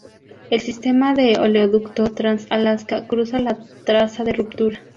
El sistema de oleoducto Trans-Alaska cruza la traza de ruptura.